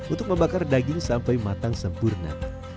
untuk membakar daging sampai matang sempurna